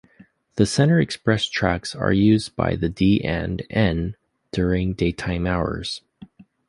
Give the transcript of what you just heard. The center express tracks are used by the D and N during daytime hours.